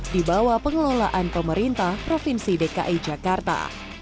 di bawah pengelolaan pemerintah provinsi dki jakarta